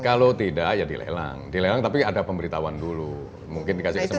kalau tidak ya dilelang dilelang tapi ada pemberitahuan dulu mungkin dikasih kesempatan